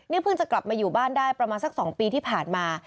เพิ่งจะกลับมาอยู่บ้านได้ประมาณสัก๒ปีที่ผ่านมา